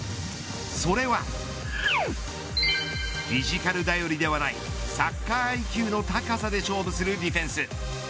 それはフィジカル頼りではないサッカーＩＱの高さで勝負するディフェンス。